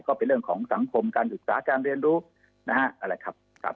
ก็เป็นเรื่องของสังคมการศึกษาการเรียนรู้นะฮะอะไรครับ